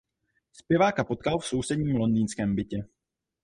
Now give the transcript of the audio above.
Zpěváka potkal v sousedním londýnském bytě.